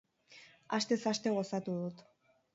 Astez aste gozatu dut.